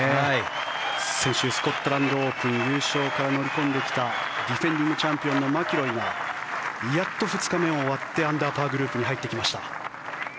先週スコットランドオープン優勝から乗り込んできたディフェンディングチャンピオンのマキロイがやっと２日目終わってアンダーパーグループに入ってきました。